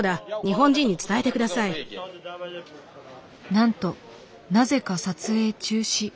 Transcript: なんとなぜか撮影中止。